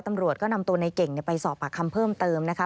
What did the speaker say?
ตำรวจก็นำตัวในเก่งไปสอบปากคำเพิ่มเติมนะคะ